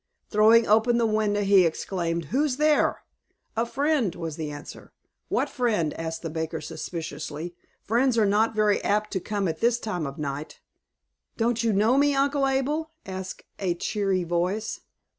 Throwing open the window, he exclaimed, "Who's there?" "A friend," was the answer. "What friend?" asked the baker, suspiciously. "Friends are not very apt to come at this time of night." "Don't you know me, Uncle Abel?" asked a cheery voice.